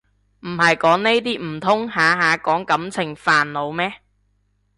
唔係講呢啲唔通下下講感情煩惱咩